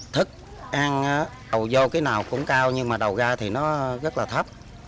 thức ăn đầu vô cái nào cũng cao nhưng mà đầu ra thì nó rất là thấp